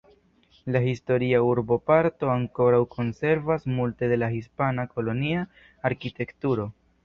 La historia urboparto ankoraŭ konservas multe de la hispana kolonia arkitekturo.